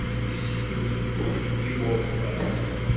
Yeshel uldun i uḍfas.